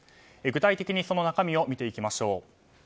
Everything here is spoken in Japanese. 具体的に、その中身を見ていきましょう。